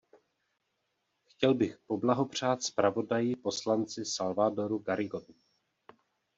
Chtěl bych poblahopřát zpravodaji, poslanci Salvadoru Garrigovi.